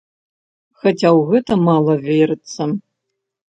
Хаця ў гэта мала верыцца.